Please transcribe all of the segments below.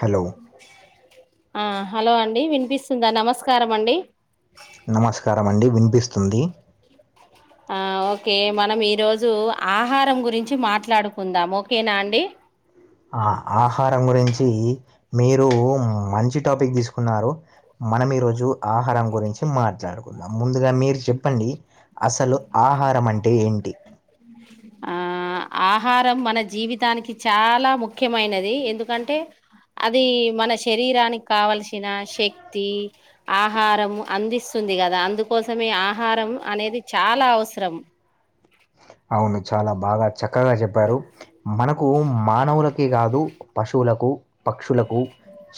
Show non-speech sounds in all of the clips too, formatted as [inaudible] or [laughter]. Hello ఆ hello అండి వినిపిస్తుందా? నమస్కారం అండి నమస్కారం అండి. వినిపిస్తుంది. ఆ ఓకే మనం ఈ రోజు ఆహారం గురించి మాట్లాడుకుందాం ఓకేనా అండి. ఆ ఆహారం గురించి మీరు మంచి టాపిక్ తీసుకున్నారు. మనం ఈరోజు ఆహారం గురించి మాట్లాడుదాం. ముందుగా మీరు చెప్పండి అసలు ఆహారం అంటే ఏంటి? ఆ ఆహారం మన జీవితానికి చాలా ముఖ్యమైనది ఎందుకంటే అది మన శరీరానికి కావల్సిన శక్తి ఆహారము అందిస్తుంది. కదా అందుకోసమే ఆహారం అనేది చాలా అవసరం అవును చాలా బాగా చక్కగా చెప్పారు. మనకు మానవులకకే కాదు పశువులకు పక్షులకు,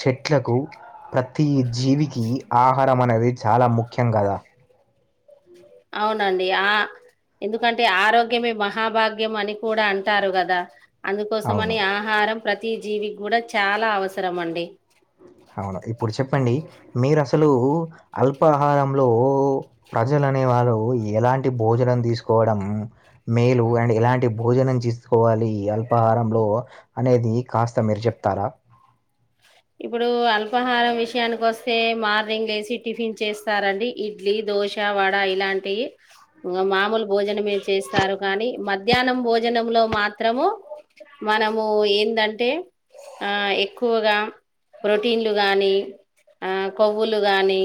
చెట్లకు, ప్రతి జీవికి ఆహారం అనేది చాలా ముఖ్యం కదా? అవునండి ఆ ఎందుకంటే ఆరోగ్యమే మహాభాగ్యం అని కూడా అంటారు కదా. అవును అందుకోసమని ఆహారం ప్రతి జీవికి కూడా చాలా అవసరం అండి. అవును, ఇప్పుడు చెప్పండి మీరు అసలు అల్పాహారంలో ప్రజలు అనే వాళ్ళు ఎలాంటి భోజనం తీసుకోవడం మేలు అండ్ ఎలాంటి భోజనం చేసుకోవాలి అల్పాహారంలో అనేది కాస్త మీరు చెప్తారా? ఇప్పుడు అల్పాహారం విషయానికి వస్తే మార్నింగ్ లేసి టిఫిన్ చేస్తారండి. ఇడ్లీ, దోశ, వడ ఇలాంటివి మామూలు భోజనం చేస్తారు. కానీ మధ్యాహ్నం భోజనము లో మాత్రము మనము ఏందంటే ఆ ఎక్కువగా ప్రోటీన్లు గాని, ఆ కొవ్వులు గాని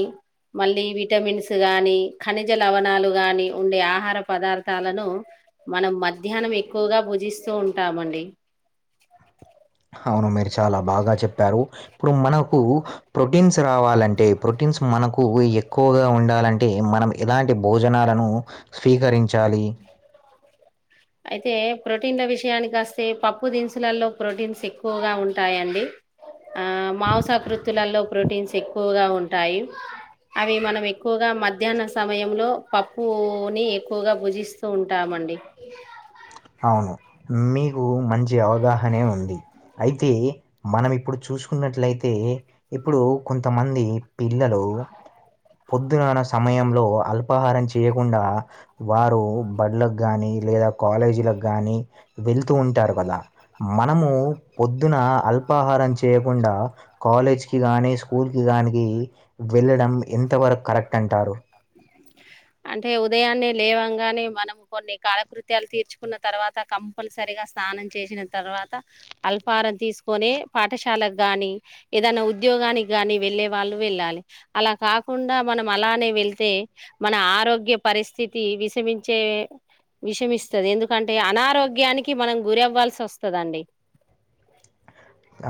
మళ్ళీ విటమిన్స్ గాని, ఖనిజ లవణాలు గాని ఉండే ఆహార పదార్థాలను మనం మధ్యాహ్నం ఎక్కువగా భుజిస్తూ ఉంటామండి. అవును మీరు చాలా బాగా చెప్పారు. ఇప్పుడు మనకు ప్రోటీన్స్ రావాలంటే ప్రోటీన్స్ మనకు ఎక్కువగా ఉండాలంటే మనం ఎలాంటి భోజనాలను స్వీకరించాలి. అయితే ప్రోటీన్ల విషయానికి వస్తే పప్పు దినుసులలో ప్రోటీన్స్ ఎక్కువగా ఉంటాయండి. ఆ మాంసకృత్తులలో ప్రోటీన్స్ ఎక్కువగా ఉంటాయి. అవి మనం ఎక్కువగా మధ్యాహ్న సమయంలో పప్పుని ఎక్కువగా భుజిస్తూ ఉంటామండి. ఈ [unintelligible] అవును మీకు మంచి అవగాహనే ఉంది. అయితే మనం ఇప్పుడు చూసుకున్నట్లయితే, ఇప్పుడు కొంతమంది పిల్లలు పొద్దుగాన్న సమయంలో ఆల్ఫా అల్పాహారం చేయకుండా వారు బళ్లకు గానీ లేదా కాలేజీ కి వెళ్తూ ఉంటారు కదా మనము ద్ పొద్దున అల్పాహారం చేయకుండా కాలేజ్ కి గానీ స్కూల్ కి గానీ వెళ్ళడం ఎంతవరకు కరెక్ట్ అంటారు. [inaudible] అంటే ఉదయాన్నే లేవంగానే మనం కొన్ని కాలకృత్యాలు తీర్చుకున్న తర్వాత కంపల్సరీ స్నానం చేసిన తర్వాత, అల్ఫారం తీసుకొనే పాఠశాలకు గాని ఏదైనా ఉద్యోగానికి గాని వెళ్ళలే వాళ్ళు వెళ్ళాలి. అలా కాకుండా మనం అలానే వెళితే మన ఆరోగ్య పరిస్థితి విషమించే విషమిస్తాది. ఎందుకంటే అనారోగ్యానికి మనం గురవ్వాల్సి వస్తాదండీ. [inaudible]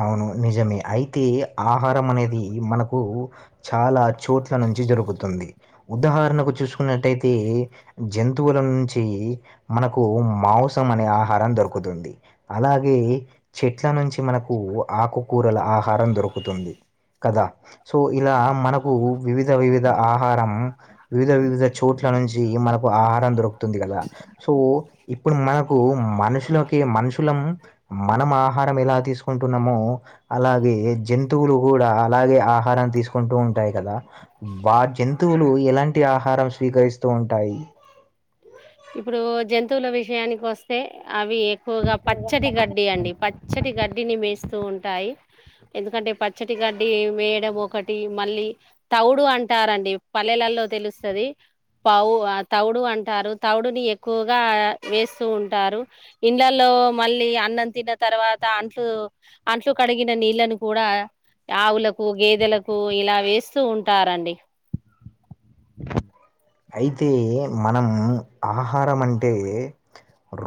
అవును నిజమే. అయితే ఆహారం అనేది మనకు చాలా చోట్ల నుంచి జరుగుతుంది. ఉదాహరణకు చూసుకున్నట్టయితే జంతువుల నుంచి మనకు మాంసం అనే ఆహారం దొరుకుతుంది. అలాగే చెట్ల నుంచి మనకు ఆకుకూరల ఆహారం దొరుకుతుంది. కదా సో ఇలా మనకు వివిధ వివిధ ఆహారం, వివిధ వివిధ చోట్ల నుంచి మనకు ఆహారం దొరుకుతుంది కదా, సో ఇప్పుడు మనకు మనుషులకి మనుషులం మనం ఆహారం ఎలా తీసుకు ంటున్నామో అలాగే జంతువులు కూడా అలాగే ఆహారం తీసుకుంటూ ఉంటాయి కదా, వారి జంతువులు ఎలాంటి ఆహారం స్వీకరిస్తూ ఉంటాయి. [inaudible] ఇప్పుడు జంతువుల విషయానికి వస్తే అవి ఎక్కువగా పచ్చటి గడ్డి అండి పచ్చటి గడ్డిని మేస్తూ ఉంటాయి. ఎందుకంటే పచ్చటి గడ్డి వేయడం ఒకటి మళ్ళీ తౌడు అంటారండి. పల్లెలలో తెలుస్తుంది తౌడు అంటారు తౌడుని ఎక్కువగా వేస్తూ ఉంటారు ఇండ్ల లో మళ్ళీ అన్నం తిన్న తర్వాత అంట్లు కడిగిన నీళ్ళలను కూడా ఆవులకు, గేదెలకు ఇలా వేస్తూ ఉంటారండి. అయితే మనం ఆహారం అంటే,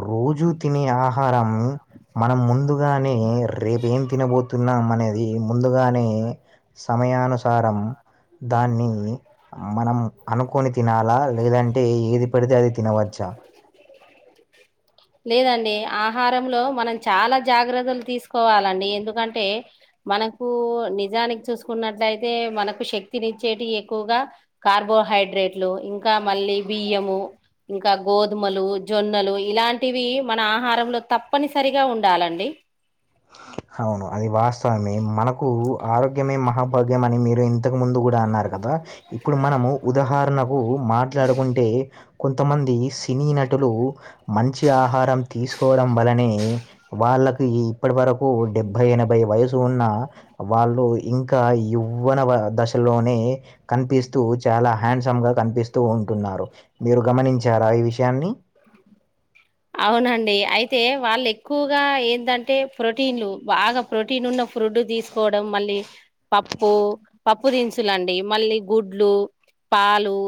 రోజూ తినే ఆహారం. మనం ముందుగానే, రేపు ఏం తినబోతున్నాం అనే అది ముందుగానే సమయానుసారం దాన్ని మనం అనుకొని తినాలా? లేదంటే ఏది పెడితే అది తినవచ్చా. [inaudible] లేదండి ఆహారంలో మనం చాలా జాగ్రత్తలు తీసుకోవాలండి ఎందుకంటే మనకు నిజానికి చూసుకున్నట్లయితే మనకు శక్తినిచ్చేటివి ఎక్కువగా కార్బోహైడ్రేట్లు ఇంకా మళ్ళీ బియ్యము. ఇంకా గోధుమలు, జొన్నలు ఇలాంటివి మన ఆహారంలో తప్పనిసరిగా ఉండాలండి. అవును, అది వాస్తవమే మనకు ఆరోగ్యమే మహాభాగ్యం అని మీ ఇంతకు ముందు కూడా అన్నారు కదా? ఇప్పుడు మనము ఉదాహరణకు మాట్లాడుకుంటే కొంతమంది సినీ నటులు మంచి ఆహారం తీసుకోవడం వలనే వాళ్ళకు ఇప్పటి వరకు డెబ్బై, ఎనభై వయసు ఉన్న వాళ్ళు ఇంకా యవ్వన దశలోనే కనిపిస్తూ చాలా హ్యాండ్సమ్ గా కనిపిస్తూ ఉన్నారు. మీరు గమనించారా ఈ విషయాన్ని. అవునండి, అయితే వాళ్ళ ఎక్కువగా ఏంటంటే ప్రోటీన్లు బాగా ప్రోటీన్ ఉన్న ఫుడ్ తీసుకోవడం. మళ్ళీ పప్పు, పప్పు దినుసులండి మళ్ళీ గుడ్లు పాలు,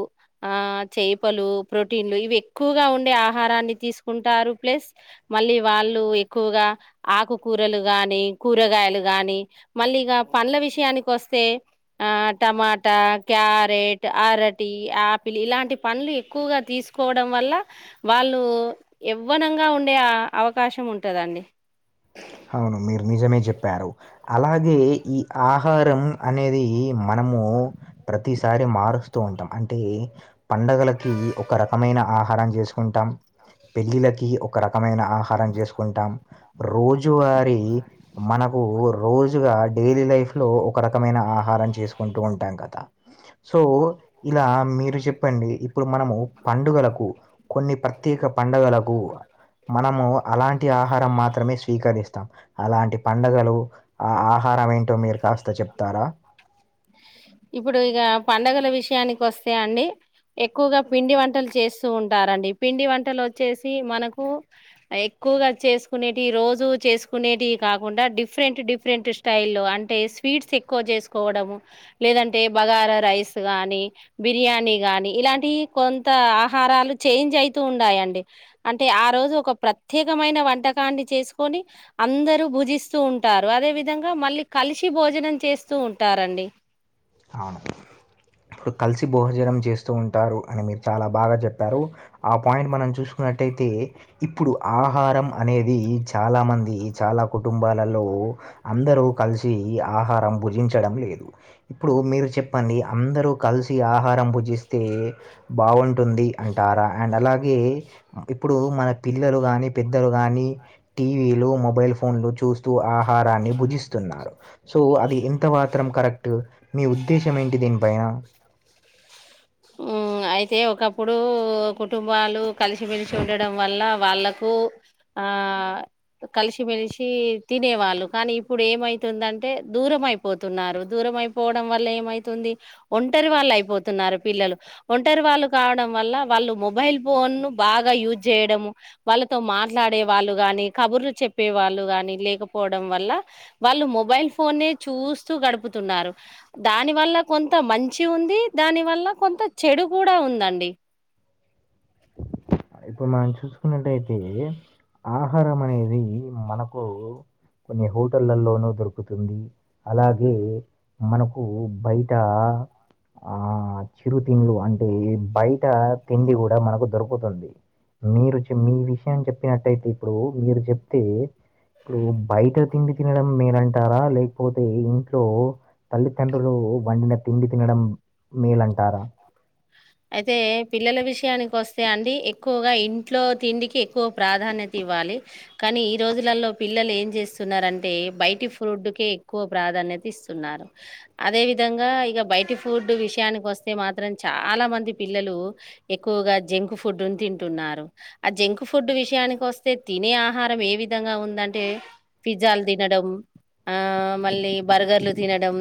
చేపలు ప్రోటీన్లు ఇవి ఎక్కువగా ఉండే ఆహారాన్ని తీసుకుంటే ఉంటారు ప్లస్ మళ్ళీ వాళ్ళు ఎక్కువగా ఆకుకూరలు గానీ కూరగాయలు. గానీ మళ్ళీ ఇక పండ్ల విషయానికి వస్తే ఆ టమాటా, క్యారెట్. అరటి, ఆపిల్ ఇలాంటి పలు ఎక్కువగా తీసుకోవడం వల్ల వాళ్ళు. యవ్వనంగా ఉండే ఆ అవకాశం ఉంటదండి. అవును మీరు నిజమే చెప్పారు అలాగే ఈ ఆహారం అనేది మన. ము ప్రతిసారి మారుస్తూ ఉంటాంటే పండుగలకి ఒక రకమైన అ. ఆహారం చేసుకుంటాం. పెళ్లిలకి ఒక రకమైన ఆహారం చేసుకుంటాం రోజు. రజు వారి మనకు రోజుగా డైలీ లైఫ్ లో ఒక రకమైన ఆహారం చేసుకుం. ఉంటూ ఉంటాం కదా. సో ఇలా మీరు చెప్పండి ఇప్పుడు మనము పండుగలకు కొన్ని ప్ర. త్యేక పండగలకు మనము అలాంటి ఆహారం మాత్రమే స్వీ. కరిస్తాం అలాంటి పండగలు ఆ ఆహారం ఏంటో మీరు కాస్త చెప్తారా. ఇప్పుడు ఇక పండగల విషయానికి వస్తా అండి. ఎక్కువగా పిండి వంటలు చేస్తూ ఉంటారండి పిండి వంటలు వచ్చేసి మనకు ఎ. క్కువగా చేసుకునేటి రోజు చేసుకునేవి కాకుండా డిఫరెంట్ డిఫరెంట్ స్టైల్లో అంటే. స్పీడ్స్ ఎక్కువ చేసుకోవడము. లేదంటే బగారా రైస్ కానీ బిర్యానీ గానీ ఇలాంటి కొంత ఆహారాలు. చేంజ్ అవుతూ ఉంటాయండి అంటే ఆ రోజు ఒక ప్రత్యేకమైన వంటకాన్ని చేసుకొని. అందరూ భుజిస్తూ ఉంటారు అదే విధంగా మళ్ళీ కలిసి భోజనం చేస్తూ ఉంటారండి. అవును ఇప్పుడు కలిసి భోజనం చేస్తూ ఉంటారు అని మీరు చాలా. బాగా చెప్పారు ఆ పాయింట్ మనం చూసుకున్నట్టయితే. ఇప్పుడు ఆహారం అనేది చాలా మంది చాలా కుటుంబాలలో అందరూ. కలిసి ఆహారం భుజించడం లేదు ఇప్పుడు మీరు చెప్పండి అందరు కలిసి ఆహ. హరం పూజిస్తే బాగుంటుంది అంటారా అండ్ అలాగే ఇప్పుడు మన. పిల్లలు గాని పెద్దలు గాని టీవీలు, మొబైల్ ఫోన్లు చూస్త. స్తూ ఆహారాన్ని భుజిస్తున్నారు సో అది ఎంత మాత్రం కరెక్ట్. మీ ఉద్దేశం ఏంటి దీనిపైన. మ్మ్ అయితే ఒకప్పుడు కుటుంబాలు కలిసిమెలిసి ఉండడం వల్ల వాళ్ళలకు. ఆ కలిసి మెలిసి. తినేవాళ్ళు కానీ ఇప్పుడు ఏమైతుందంటే దూర అయిపోతున్నారు దూరం అయిపోవడం వల్ల ఏమైతుంది. ఒంటరి వాళ్ళు అయిపోతున్నారు పిల్లలు ఒంటరి వాళ్ళు కావడం వల్ల వాళ్ళు మొబైల్ ఫోన్లు. బాగా యూజ్ చేయడము వాళ్ళతో మాట్లాడే వాళ్ళు గాని కబుర్లు చెప్పే వాళ్ళు గాని లే. పోవడం వల్ల వాళ్ళు మొబైల్ ఫోన్ చూస్తూ గడుపుతున్నారు దాని వల్ల కొం. కొంత మంచి ఉంది దాని వల్ల కొంత చెడు కూడా ఉంది అండి. ఇప్పుడు మనం చూసుకున్నట్టయితే ఆహారం అనేది మనకు. కొన్ని హోటళ్లలోనూ దొరుకుతుంది అలాగే మనకు బయట. ఆ చిరుతింలు అంటే బయట తిండి కూడా మనకు దొరుకుతుంది. మీరు చెమీ విషయం చెప్పినట్టయితే ఇప్పుడు మీరు చెప్తే. ఇప్పుడు బయట తిండి తినడం మేనంటారా లేకపోతే ఇంట్లో తల్లితండ్రులు. వండిన తిండి తినడం మేలంటారా. అయితే పిల్లల విషయానికి వస్తే అండి ఎక్కువగా ఇంట్లో తిండికి ఎక్కువ ప్రాధాన్యత ఇవ్వాలి. కానీ ఈ రోజులలో పిల్లలు ఏం చేస్తున్నారంటే బయటి ఫ్రుడ్కే ఎక్కువ ప్రాధాన్యత. ఇస్తున్నారు అదే విధంగా ఇక బయటి ఫుడ్ విషయానికి వస్తే. మాత్రం చాలా మంది పిల్లలు ఎక్కువగా జంక్ ఫుడ్ తింటున్నారు ఆ జంక్. ఫుడ్డు విషయానికొస్తే తినే ఆహారం ఏ విధంగా ఉందంటే పిజ్జాలు తినడం ఆ మళ్ళీ బర్గర్లు తినడం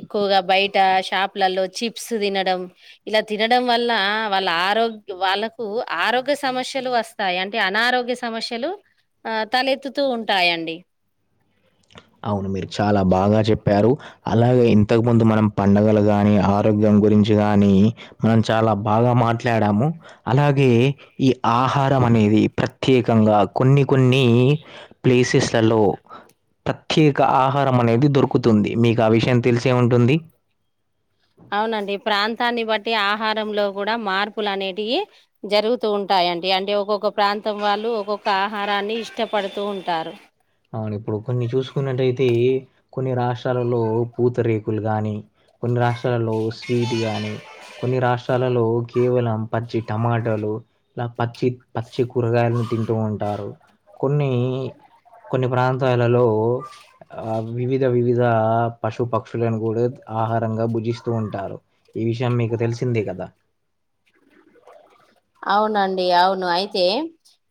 ఎక్కువగా బయట షాప్ లలో చిప్స్ త్ తినడం ఇలా తినడం వల్ల వాళ్ళ ఆరోగ్య వాళ్ళకు ఆరోగ్య సమస్యలు వస్ స్తాయి అంటే అనారోగ్య సమస్యలు ఆ తలెత్తుతూ ఉంటాయండి అవును మీరు చాలా బాగా చెప్పారు అలాగే ఇంతకు ముందు మనం పండగలు గానీ ఆరోగ్యం గురించి గానీ మనం చాలా బాగా మాట్లాడాము అలాగే ఈ ఆహార అం అనేది ప్రత్యేకంగా కొన్ని కొన్ని ప్లేసెస్ల్ లలో ప్రత్యేక ఆహారం అనేది దొరుకుతుంది మీకు ఆ విషయం తెలిసేవుంటుంది అవునండి ప్రాంతాన్ని బట్టి ఆహారంలో కూడా మార్పులు అనేటియు జరుగుతూ ఉంటాయి ఏంటి అంటే ఒక్కొక్క ప్రాంతం వాళ్ళు ఒక్కొక్క ఆహారాన్ని ఇష్టపడుతూ ఉంటారు అవును ఇప్పుడు కొన్ని చూసుకున్నట్టయితే కొన్ని రాష్ట్రాలలో పూతరేకులు గానీ కొన్ని రాష్ట్రాలలో స్వీట్ గానీ కొన్ని రాష్ట్రాల్ లలో కేవలం పచ్చి టమాటోలు ఇలా పచ్చి పచ్చి కూరగాయలను తింటూ ఉంటారు కొన్ని కొన్ని ప్రాంతాలలో ఆ వివిధ వివిధ పశు పక్షులను కూడా ఆహారంగా భుజిస్తూ ఉంటారు ఈ విషయం మీకు తెలిసిందే కదా అవునండి అవును అయితే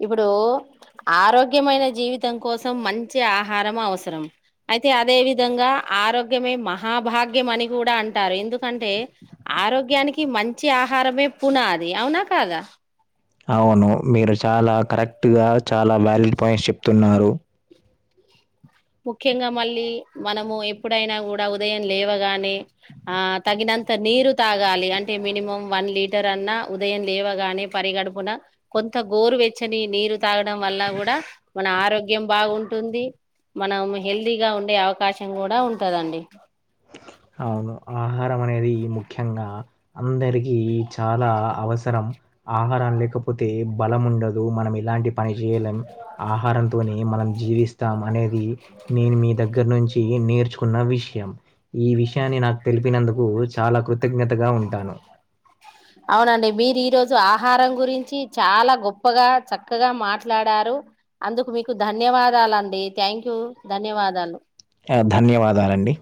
ఇప్పుడు ఆరోగ్యమైన జీవితం కోసం మంచి ఆహారము అవసరం అయితే అదే విధంగా ఆరోగ్యమే మహాభాగ్యం అని కూడా అంటారు ఎందుకంటే ఆరోగ్యానికి మంచి ఆహారమే పునాది అవునా కాదా అవును మీరు చాలా కరెక్ట్ గా చాలా వాలీడ్ పాయింట్స్ చెప్తున్నారు ముఖ్యంగా మళ్ళీ మనము ఎప్పుడైనా గూడా ఉదయం లేవగానే ఆ తగిన అంత నీరు తాగాలి అంటే మినిమం వన్ లీటర్ అన్నా ఉదయం లేవగానే పరిగడుపున కొంత గోరువెచ్చని నీరు తాగడం వల్ల గూడా మన ఆరోగ్యం బావుంటుంది మనం హెల్దీగా ఉండే అవకాశం కూడా ఉంటదండి అవును ఆహారం అనేది ముఖ్యంగా అందరికీ చాలా అవసర ఆహారం లేకపోతే బలం ఉండదు మనం ఇలాంటి పని చేేయలేం ఆహారంతోనే మనం జీవిస్తాం అనేది నేను మీ దగ్గర నుంచి టి నేర్చుకున్న విషయం ఈ విషయాన్ని నాకు తెలిపినందుకు చాలా కృతజ్ఞతగా ఉంటాను అవునండి మీరు ఈ రోజు ఆహారం గురించి చాలా గొప్పగా చక్కగా మాట్లాడారు అందుకు మీకు ధన్యవాదాలండి థ్యాంక్ యూ ధన్యవాదాలు ఆ! ధన్యవాదాలండి.